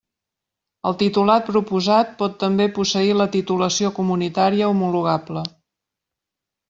El titulat proposat pot també posseir la titulació comunitària homologable.